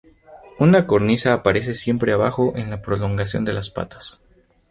Una cornisa aparece siempre abajo en la prolongación de las patas.